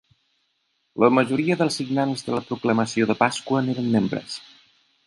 La majoria dels signants de la Proclamació de Pasqua n'eren membres.